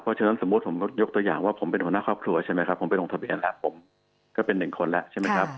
เพราะฉะนั้นสมมุติผมยกตัวอย่างว่าผมเป็นหัวหน้าครอบครัวใช่ไหมครับผมเป็นหัวหน้าครอบครัวเนี่ยผมก็เป็น๑คนแล้วใช่ไหมครับ